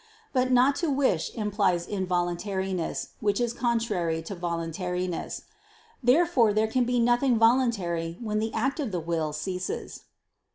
But not to wish implies involuntariness, which is contrary to voluntariness. Therefore there can be nothing voluntary when the act of the will ceases.